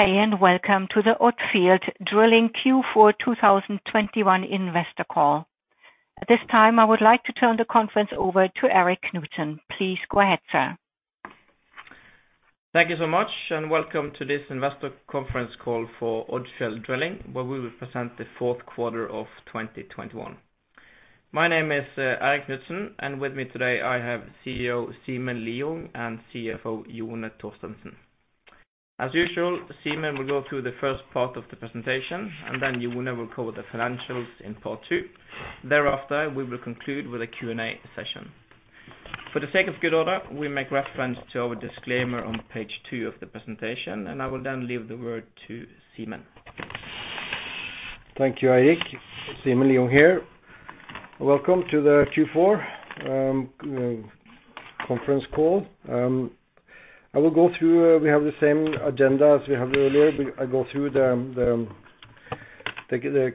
Good day and welcome to the Odfjell Drilling Q4 2021 investor call. At this time, I would like to turn the conference over to Eirik Knudsen. Please go ahead, sir. Thank you so much. Welcome to this investor conference call for Odfjell Drilling, where we will present the fourth quarter of 2021. My name is Eirik Knudsen, and with me today I have Chief Executive Officer Simen Lieungh and Chief Financial Officer Jone Torstensen. As usual, Simen will go through the first part of the presentation, and then Jone will cover the financials in part two. Thereafter, we will conclude with a Q&A session. For the sake of good order, we make reference to our disclaimer on page two of the presentation, and I will then leave the word to Simen. Thank you, Eirik. Simen Lieungh here. Welcome to the Q4 conference call. I will go through, we have the same agenda as we have earlier. I go through the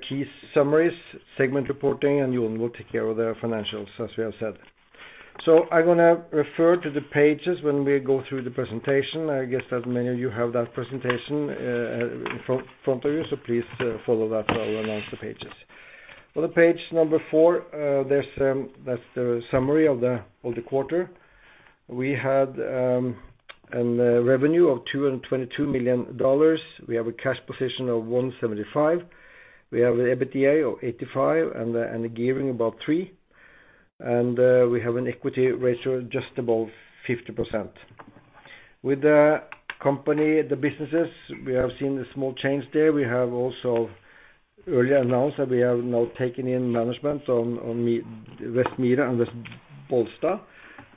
key summaries, segment reporting, and Jone will take care of the financials, as we have said. I'm gonna refer to the pages when we go through the presentation. I guess that many of you have that presentation in front of you, so please follow that while I announce the pages. On page number four, that's the summary of the quarter. We had a revenue of $222 million. We have a cash position of $175 million. We have an EBITDA of $85 million and a gearing above three. We have an equity ratio just above 50%. With the company, the businesses, we have seen a small change there. We have also earlier announced that we have now taken in management on West Mira and West Bollsta,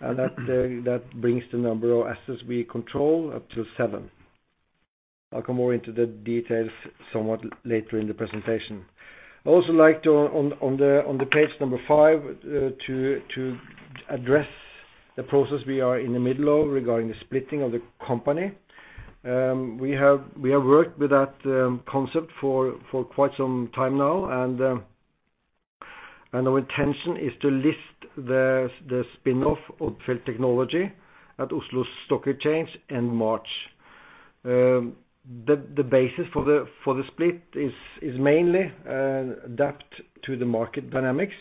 and that brings the number of assets we control up to seven. I'll come more into the details somewhat later in the presentation. I also like to, on the page five, to address the process we are in the middle of regarding the splitting of the company. We have worked with that concept for quite some time now, and our intention is to list the spin-off of Odfjell Technology at Oslo Stock Exchange in March. The basis for the split is mainly adapt to the market dynamics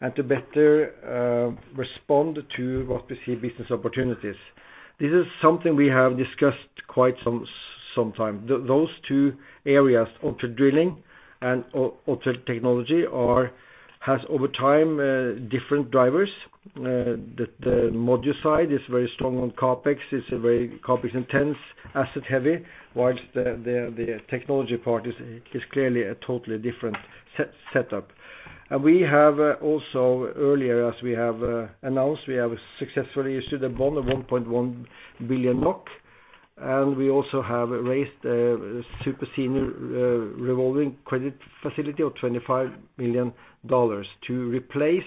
and to better respond to what we see business opportunities. This is something we have discussed quite some time. Those two areas, Odfjell Drilling and Odfjell Technology are has over time different drivers that module side is very strong on CapEx. It's a very CapEx intense, asset heavy, whilst the technology part is clearly a totally different setup. We have also earlier, as we have announced, we have successfully issued a bond of 1.1 billion NOK, and we also have raised a super senior revolving credit facility of $25 million to replace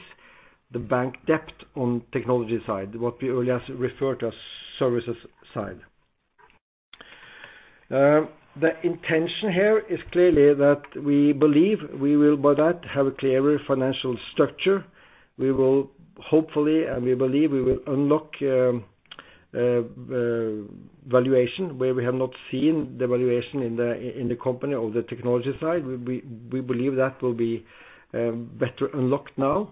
the bank debt on technology side, what we earlier referred to as services side. The intention here is clearly that we believe we will by that have a clearer financial structure. We will hopefully, and we believe we will unlock valuation where we have not seen the valuation in the company or the technology side. We believe that will be better unlocked now,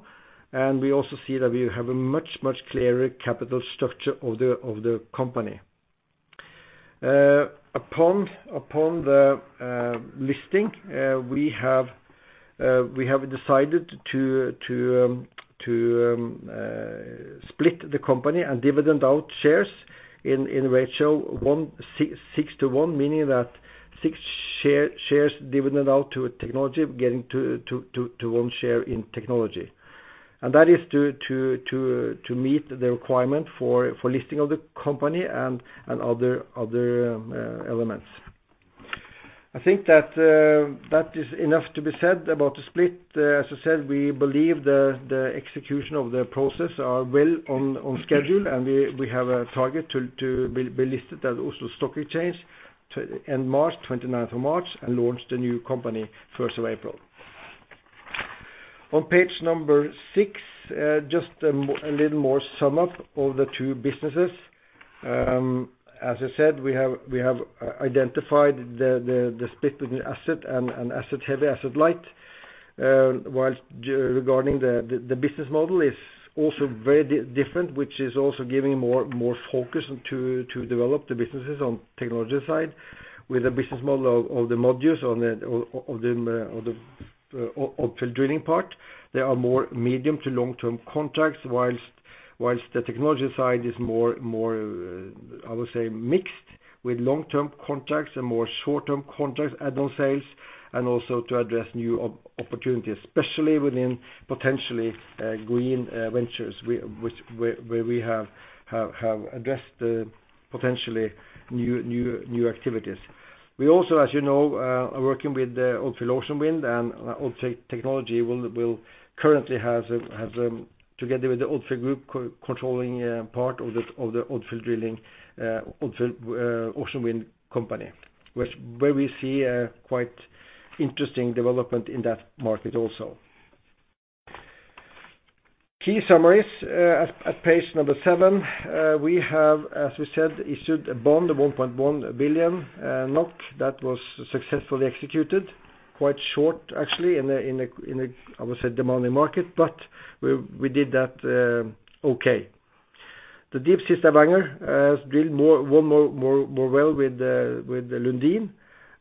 and we also see that we have a much, much clearer capital structure of the company. Upon the listing, we have decided to split the company and dividend out shares in ratio six to one, meaning that six shares dividend out to technology, getting to one share in technology. That is to meet the requirement for listing of the company and other other elements. I think that is enough to be said about the split. As I said, we believe the execution of the process are well on schedule, and we have a target to be listed at Oslo Stock Exchange in March, 29th of March, and launch the new company 1st of April. On page number six, just a little more sum up of the two businesses. As I said, we have identified the split between asset and asset heavy, asset light, whilst regarding the business model is also very different, which is also giving more focus to develop the businesses on technology side. With the business model of the modules on the Odfjell Drilling part, there are more medium to long-term contracts, whilst the technology side is more, I would say, mixed with long-term contracts and more short-term contracts, add-on sales, and also to address new opportunities, especially within potentially green ventures which where we have addressed potentially new activities. We also, as you know, are working with the Odfjell Oceanwind and Odfjell Technology currently has, together with the Odfjell Group controlling part of the Odfjell Drilling Odfjell Oceanwind company, which where we see a quite interesting development in that market also. Key summaries, at page number seven, we have, as we said, issued a bond of 1.1 billion NOK that was successfully executed. Quite short, actually, in a, in a, in a, I would say demanding market, but we did that, okay. The Deepsea Stavanger has drilled one more well with the Lundin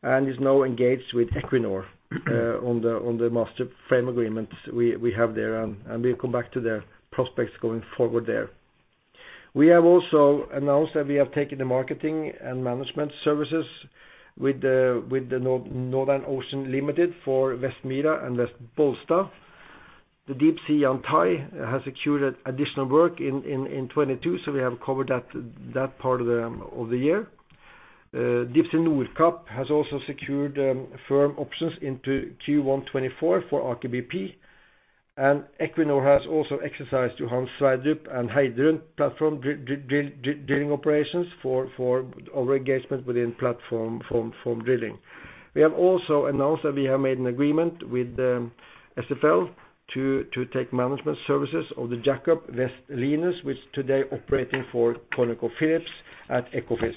and is now engaged with Equinor on the master frame agreements we have there and we'll come back to the prospects going forward there. We have also announced that we have taken the marketing and management services with Northern Ocean Ltd. for West Mira and West Bollsta. Deepsea Yantai has secured additional work in 2022, so we have covered that part of the year. Deepsea Nordkapp has also secured firm options into Q1 2024 for Aker BP. Equinor has also exercised Johan Sverdrup and Heidrun platform drilling operations for our engagement within platform drilling. We have also announced that we have made an agreement with SFL to take management services of the jackup West Linus, which today operating for ConocoPhillips at Ekofisk.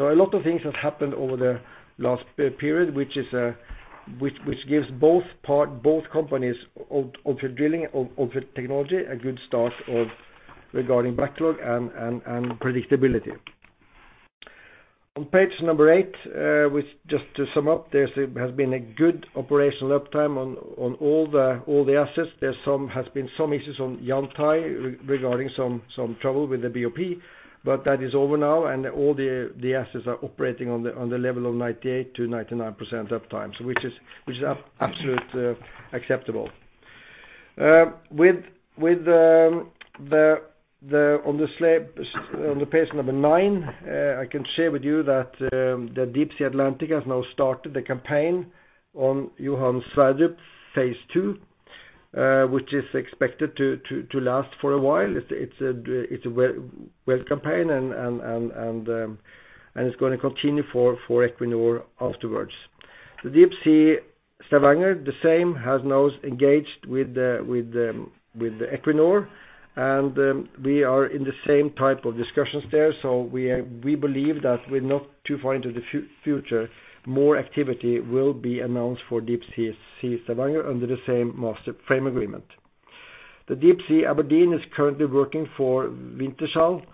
A lot of things have happened over the last period, which is, which gives both companies of drilling, of technology a good start regarding backlog and predictability. On page number eight, with just to sum up, there has been a good operational uptime on all the assets. There has been some issues on Yantai regarding some trouble with the BOP, but that is over now, and all the assets are operating on the level of 98%-99% uptime. Which is, which is absolute acceptable. With the on the page nine, I can share with you that the Deepsea Atlantic has now started the campaign on Johan Sverdrup phase II, which is expected to last for a while. It's a well campaign and it's gonna continue for Equinor afterwards. The Deepsea Stavanger, the same, has now engaged with the Equinor, and we are in the same type of discussions there. We believe that with not too far into the future, more activity will be announced for Deepsea Stavanger under the same master frame agreement. The Deepsea Aberdeen is currently working for Wintershall,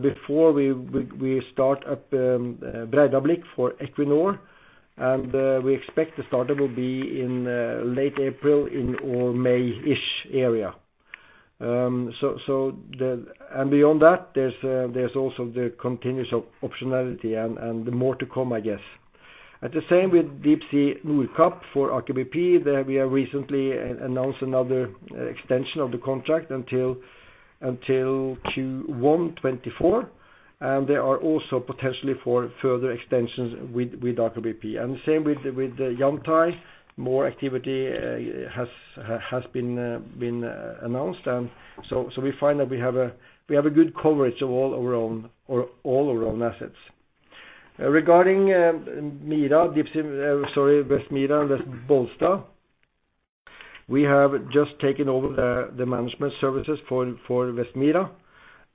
before we start at Breidablikk for Equinor, we expect the startup will be in late April in or May-ish area. So the... Beyond that, there's also the continuous optionality and more to come, I guess. At the same with Deepsea Nordkapp for Aker BP, there we have recently announced another extension of the contract until Q1 2024, there are also potentially for further extensions with Aker BP. The same with Yantai. More activity has been announced. So we find that we have a good coverage of all our own assets. Regarding, Mira Deepsea. Sorry, West Mira and West Bollsta, we have just taken over the management services for West Mira,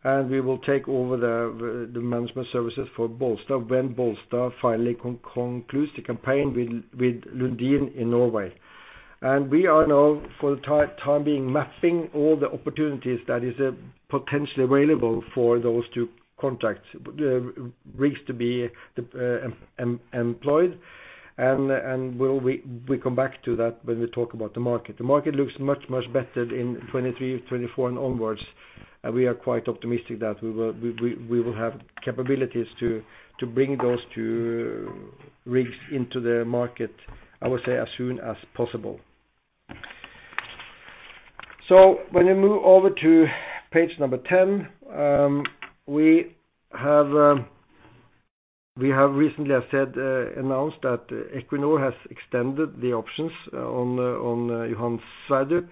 and we will take over the management services for Bollsta when Bollsta finally concludes the campaign with Lundin in Norway. We are now, for the time being, mapping all the opportunities that is potentially available for those two contracts, rigs to be employed. We come back to that when we talk about the market. The market looks much, much better in 2023, 2024 and onwards. We are quite optimistic that we will have capabilities to bring those two rigs into the market, I would say, as soon as possible. When we move over to page number 10, we have recently, I said, announced that Equinor has extended the options on Johan Sverdrup.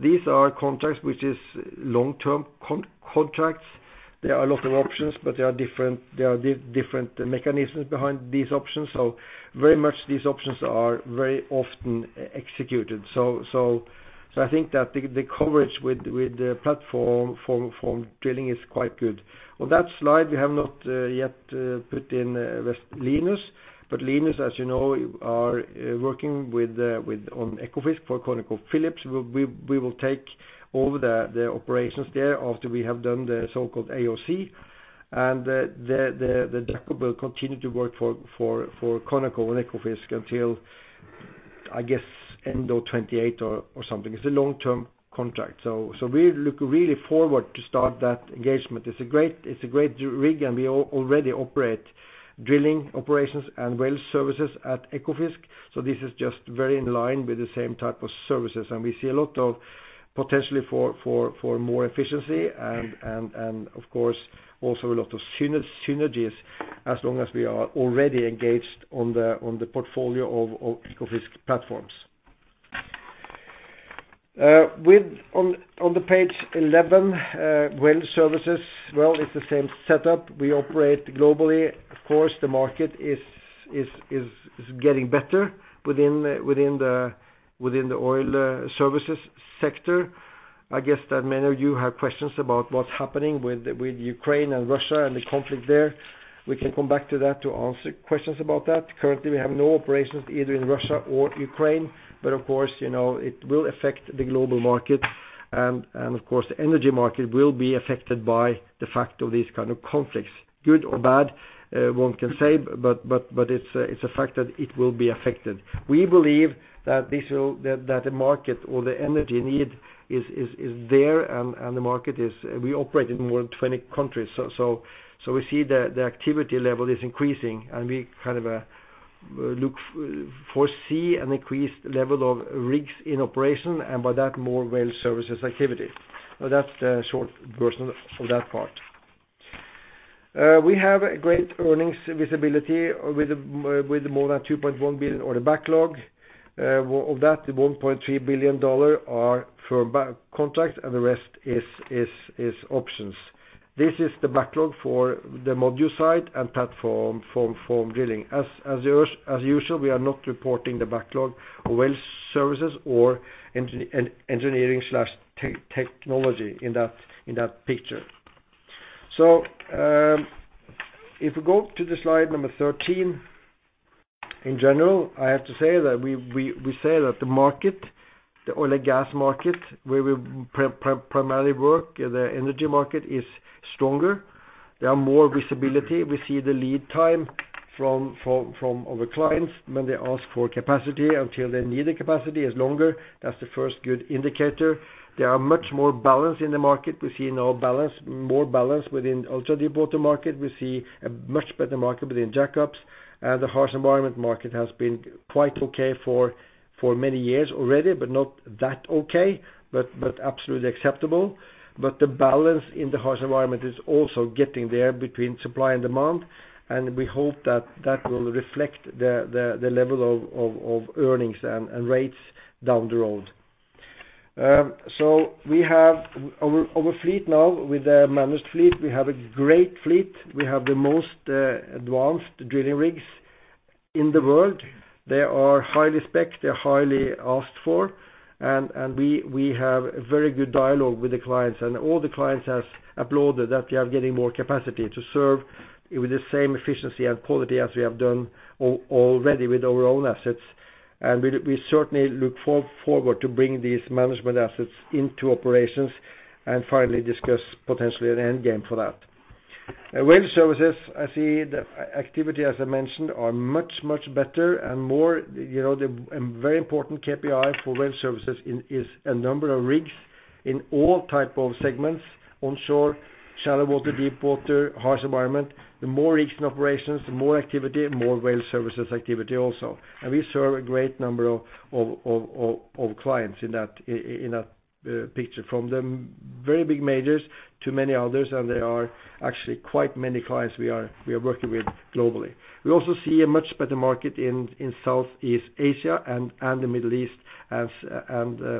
These are contracts which is long-term contracts. There are a lot of options, but there are different mechanisms behind these options. Very much these options are very often executed. I think that the coverage with the platform form drilling is quite good. On that slide, we have not yet put in West Linus, but Linus, as you know, are working with the on Ekofisk for ConocoPhillips. We will take over the operations there after we have done the so-called AoC. The jackup will continue to work for Conoco and Ekofisk until, I guess, end of 2028 or something. It's a long-term contract. We look really forward to start that engagement. It's a great rig, and we already operate drilling operations and well services at Ekofisk. This is just very in line with the same type of services. We see a lot of potentially for more efficiency and of course, also a lot of synergies as long as we are already engaged on the portfolio of Ekofisk platforms. With on the page 11, well services, it's the same setup. We operate globally. Of course, the market is getting better within the oil services sector. I guess that many of you have questions about what's happening with Ukraine and Russia and the conflict there. We can come back to that to answer questions about that. Currently, we have no operations either in Russia or Ukraine, but of course, you know, it will affect the global market and of course, the energy market will be affected by the fact of these kind of conflicts. Good or bad, one can say, but it's a fact that it will be affected. We believe that the market or the energy need is there. We operate in more than 20 countries. We see the activity level is increasing, and we kind of foresee an increased level of rigs in operation and by that, more Well Services activity. That's the short version of that part. We have a great earnings visibility with more than $2.1 billion order backlog. Of that, the $1.3 billion are firm contract, and the rest is options. This is the backlog for the module side and platform drilling. As usual, we are not reporting the backlog Well Services or engineering/technology in that picture. If we go to the slide number 13, in general, I have to say that we say that the market, the oil and gas market, where we primarily work, the energy market is stronger. There are more visibility. We see the lead time from our clients when they ask for capacity until they need the capacity is longer. That's the first good indicator. There are much more balance in the market. We see now balance, more balance within ultra deepwater market. We see a much better market within jackups. The harsh environment market has been quite okay for many years already, but not that okay, but absolutely acceptable. The balance in the harsh environment is also getting there between supply and demand, and we hope that that will reflect the level of earnings and rates down the road. We have our fleet now with the managed fleet, we have a great fleet. We have the most advanced drilling rigs in the world. They are highly-specced, they are highly asked for, and we have very good dialogue with the clients. All the clients has applauded that we are getting more capacity to serve with the same efficiency and quality as we have done already with our own assets. We certainly look forward to bring these management assets into operations and finally discuss potentially an end game for that. Well services, I see the activity, as I mentioned, are much, much better and more, you know. Very important KPI for Well services is a number of rigs in all type of segments, onshore, shallow water, deepwater, harsh environment. The more rigs in operations, the more activity, more Well services activity also. We serve a great number of clients in that picture, from the very big majors to many others. There are actually quite many clients we are working with globally. We also see a much better market in Southeast Asia and the Middle East as, and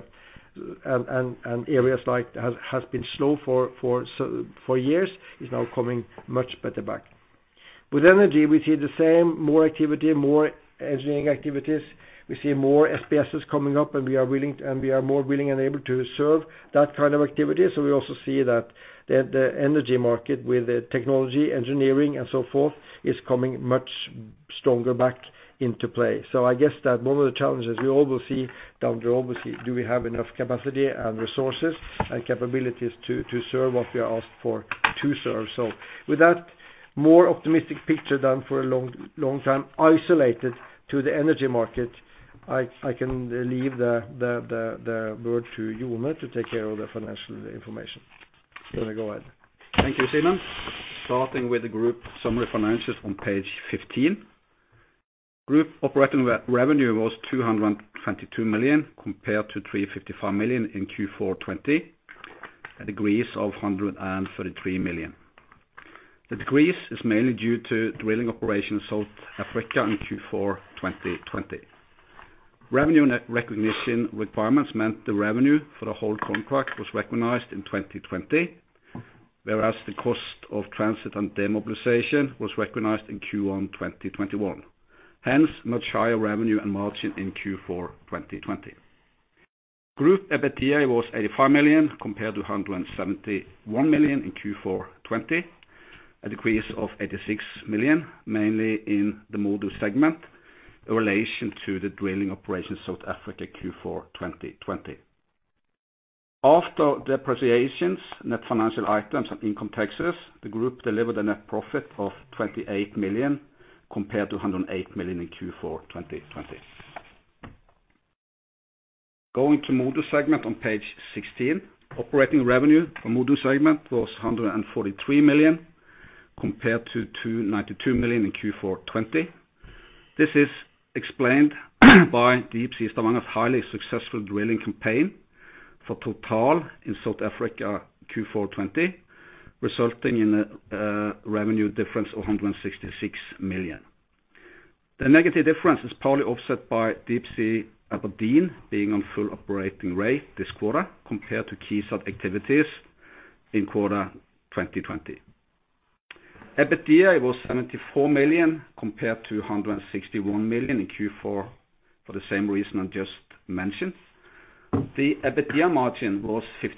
areas like has been slow for years is now coming much better back. With energy, we see the same, more activity, more engineering activities. We see more SPSs coming up, and we are more willing and able to serve that kind of activity. We also see that the energy market with the technology, engineering and so forth, is coming much stronger back into play. I guess that one of the challenges we all will see down the road, we see do we have enough capacity and resources and capabilities to serve what we are asked for to serve. With that more optimistic picture than for a long, long time isolated to the energy market, I can leave the word to Jone to take care of the financial information. Jone, go ahead. Thank you, Simen. Starting with the group summary financials on page 15. Group operating re-revenue was $222 million, compared to $355 million in Q4 2020, a decrease of $133 million. The decrease is mainly due to drilling operations South Africa in Q4 2020. Revenue recognition requirements meant the revenue for the whole contract was recognized in 2020, whereas the cost of transit and demobilization was recognized in Q1 2021, hence much higher revenue and margin in Q4 2020. Group EBITDA was $85 million, compared to $171 million in Q4 2020, a decrease of $86 million, mainly in the MODU segment, in relation to the drilling operations South Africa Q4 2020. After depreciations, net financial items and income taxes, the group delivered a net profit of $28 million compared to $108 million in Q4 2020. Going to MODU segment on page 16, operating revenue for MODU segment was $143 million compared to $292 million in Q4 2020. This is explained by the Deepsea Stavanger's highly successful drilling campaign for TotalEnergies in South Africa Q4 2020, resulting in a revenue difference of $166 million. The negative difference is partly offset by Deepsea Aberdeen being on full operating rate this quarter compared to key sub activities in Q4 2020. EBITDA was $74 million compared to $161 million in Q4 for the same reason I just mentioned. The EBITDA margin was 52%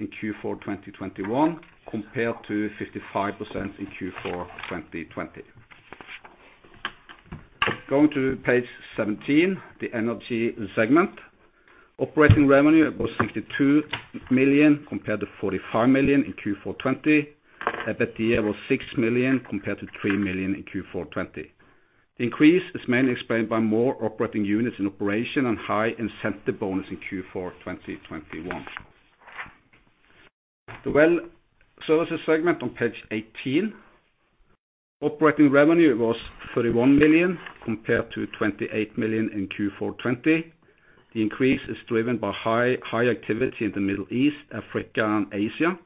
in Q4 2021 compared to 55% in Q4 2020. Going to page 17, the energy segment. Operating revenue was $62 million compared to $45 million in Q4 2020. EBITDA was $6 million compared to $3 million in Q4 2020. The increase is mainly explained by more operating units in operation and high incentive bonus in Q4 2021. The well services segment on page 18. Operating revenue was $31 million compared to $28 million in Q4 20. The increase is driven by high activity in the Middle East, Africa, and Asia.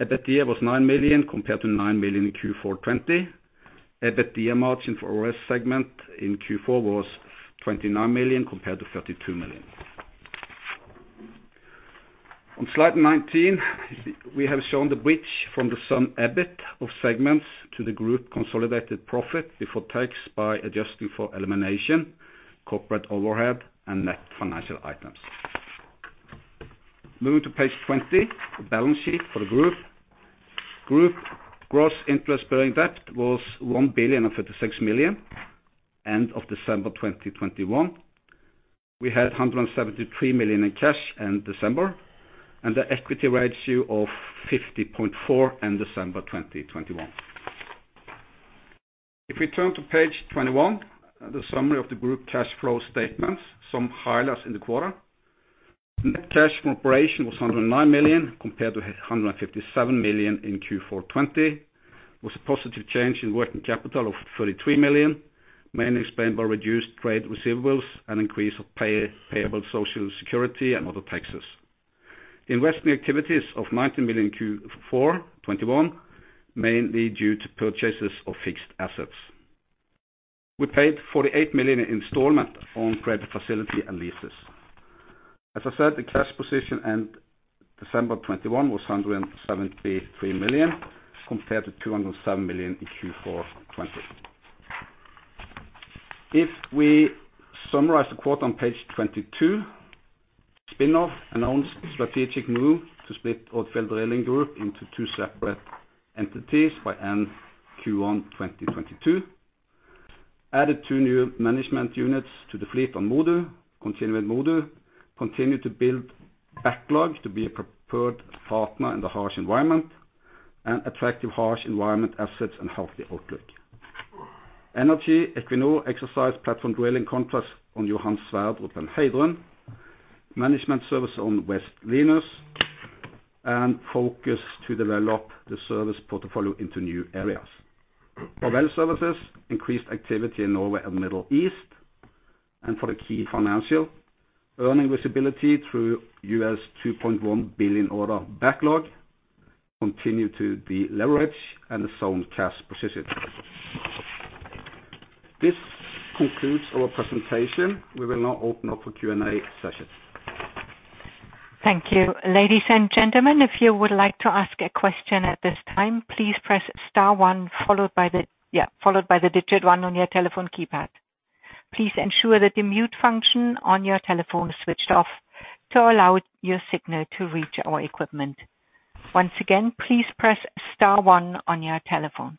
EBITDA was $9 million compared to $9 million in Q4 20. EBITDA margin for OWS segment in Q4 was $29 million compared to $32 million. On slide 19, we have shown the bridge from the sum EBITDA of segments to the group consolidated profit before tax by adjusting for elimination, corporate overhead, and net financial items. Moving to page 20, the balance sheet for the group. Group gross interest bearing debt was $1.056 billion end of December 2021. We had $173 million in cash in December, and the equity ratio of 50.4 in December 2021. If we turn to page 21, the summary of the group cash flow statements, some highlights in the quarter. Net cash from operation was $109 million compared to $157 million in Q4 2020, with a positive change in working capital of $33 million, mainly explained by reduced trade receivables and increase of pay, payable social security and other taxes. Investment activities of $19 million Q4 2021, mainly due to purchases of fixed assets. We paid $48 million installment on credit facility and leases. As I said, the cash position in December 2021 was $173 million compared to $207 million in Q4 2020. If we summarize the quote on page 22, spin-off announced strategic move to split Odfjell Drilling Group into two separate entities by end Q1 2022. Added two new management units to the fleet on MODU, continuing MODU. Continue to build backlog to be a preferred partner in the harsh environment and attractive harsh environment assets and healthy outlook. Energy, Equinor exercise platform drilling contracts on Johan Sverdrup and Heidrun, management service on West Linus, and focus to develop the service portfolio into new areas. For well services, increased activity in Norway and Middle East. For the key financial, earning visibility through $2.1 billion order backlog, continue to deleverage and a sound cash position. This concludes our presentation. We will now open up for Q&A session. Thank you. Ladies and gentlemen, if you would like to ask a question at this time, please press star one followed by the digit one on your telephone keypad. Please ensure that the mute function on your telephone is switched off to allow your signal to reach our equipment. Once again, please press star one on your telephone.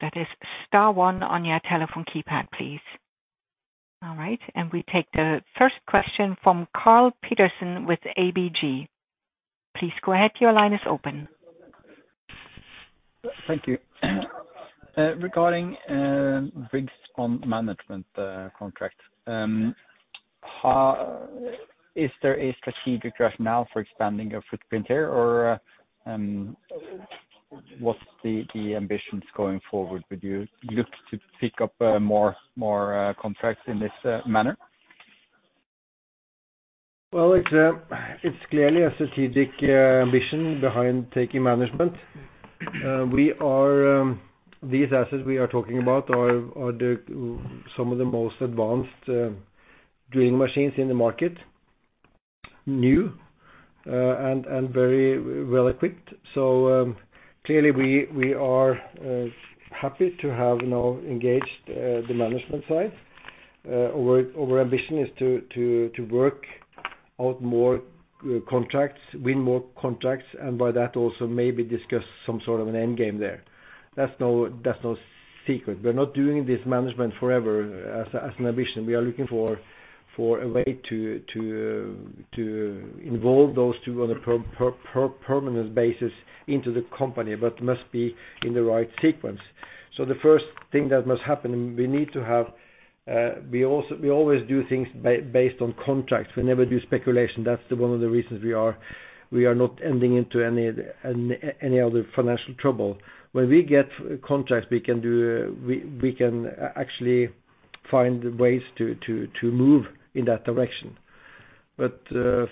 That is star one on your telephone keypad, please. All right, we take the first question from Carl Pettersson with ABG. Please go ahead, your line is open. Thank you. Regarding rigs on management contract, is there a strategic rationale for expanding your footprint here, or what's the ambitions going forward? Would you look to pick up more contracts in this manner? Well, it's clearly a strategic ambition behind taking management. We are, these assets we are talking about are some of the most advanced drilling machines in the market. New, and very well-equipped. Clearly, we are happy to have now engaged the management side. Our ambition is to work out more contracts, win more contracts, and by that, also maybe discuss some sort of an end game there. That's no secret. We're not doing this management forever as an ambition. We are looking for a way to involve those two on a permanent basis into the company. Must be in the right sequence. The first thing that must happen, we need to have, we always do things based on contracts. We never do speculation. That's the one of the reasons we are not ending into any other financial trouble. When we get contracts we can actually find ways to move in that direction.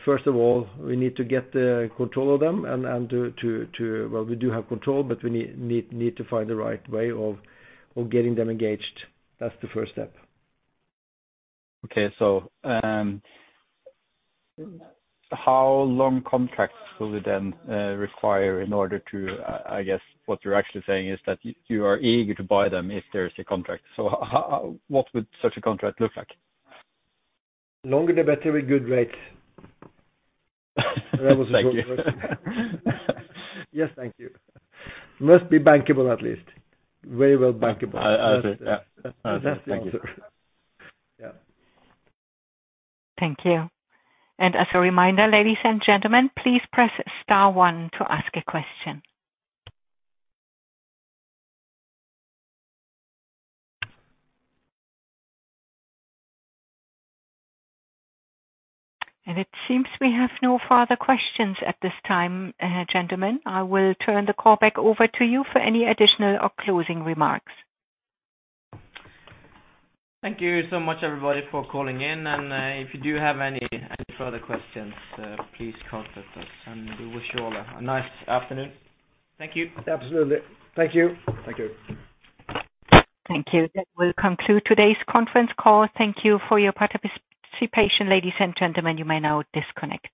First of all, we need to get the control of them and to. Well, we do have control, but we need to find the right way of getting them engaged. That's the first step. Okay. How long contracts will we then require in order to, I guess what you're actually saying is that you are eager to buy them if there's a contract. How, what would such a contract look like? Longer the better with good rates. Thank you. That was a short version. Yes, thank you. Must be bankable at least. Very well bankable. I agree. Yeah. That's the answer. Thank you. Yeah. Thank you. As a reminder, ladies and gentlemen, please press star one to ask a question. It seems we have no further questions at this time, gentlemen, I will turn the call back over to you for any additional or closing remarks. Thank you so much everybody for calling in, and, if you do have any further questions, please contact us. We wish you all a nice afternoon. Thank you. Absolutely. Thank you. Thank you. Thank you. That will conclude today's conference call. Thank you for your participation, ladies and gentlemen. You may now disconnect.